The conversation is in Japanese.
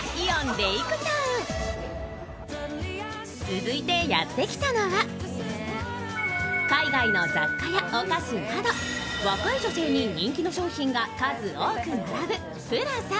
続いてやってきたのは海外の雑貨やお菓子など若い女性に人気の商品が数多く並ぶＰＬＡＺＡ。